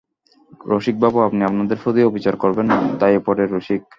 রসিকবাবু, আপনি আমাদের প্রতি অবিচার করবেন না– দায়ে পড়ে– রসিক।